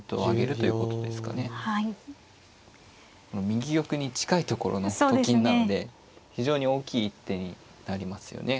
右玉に近いところのと金なので非常に大きい一手になりますよね。